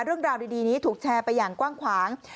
เรื่องราวดีนี้ถูกแชร์ไปอย่างกว้างขวาง